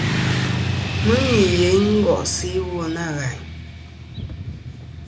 Mɨ nì yeyn ngo'sɨ iwo nâ ghàyn.